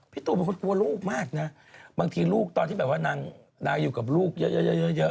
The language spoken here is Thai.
พี่ตุ๋เป็นคนกลัวลูกมากบางทีลูกตอนที่แบบว่านางดาอยู่กับลูกเยอะ